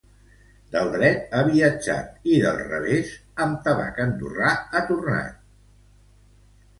Del dret ha viatjat i del revés amb tabac andorrà ha tornat.